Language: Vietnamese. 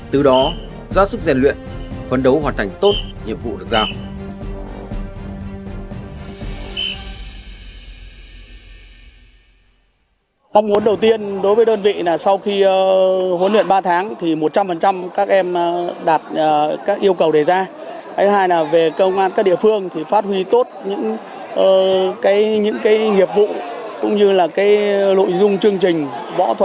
từ đó do sức rèn luyện khuấn đấu hoàn thành tốt nhiệm vụ được giao